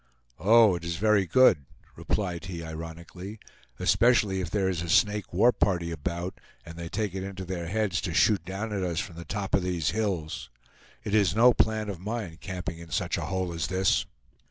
"Oh, it is very good," replied he ironically; "especially if there is a Snake war party about, and they take it into their heads to shoot down at us from the top of these hills. It is no plan of mine, camping in such a hole as this!"